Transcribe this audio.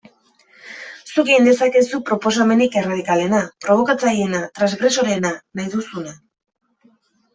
Zuk egin dezakezu proposamenik erradikalena, probokatzaileena, transgresoreena, nahi duzuna...